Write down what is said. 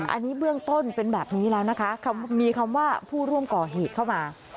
อันนี้เบื้องต้นเป็นแบบนี้แล้วนะคะมีคำว่าผู้ร่วมก่อเหตุเข้ามา